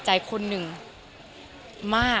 ขอเริ่มขออนุญาต